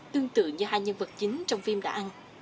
tương tự như hai nhân vật chính trong phim đã ăn